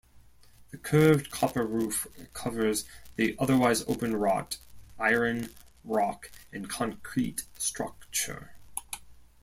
The curved copper roof covers the otherwise-open wrought iron, rock, and concrete structure.